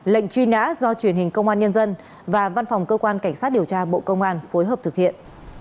lệnh truy nã do truyền hình công an nhân dân và văn phòng cơ quan cảnh sát điều tra bộ công an phối hợp thực hiện